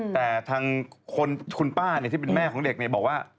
แต่ทางคุณป้าที่เป็นแม่ของเด็กบอกว่า